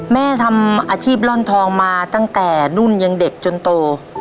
แม่ทำอาชีพร่อนทองมาตั้งแต่นุ่นยังเด็กจนโต